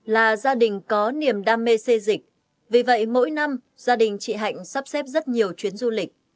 là gia đình có niềm đam mê xây dịch vì vậy mỗi năm gia đình chị hạnh sắp xếp rất nhiều chuyến du lịch